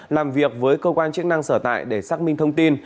làm việc với cơ quan chức năng sở tại để xác minh thông tin